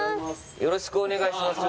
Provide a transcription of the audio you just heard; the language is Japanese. よろしくお願いします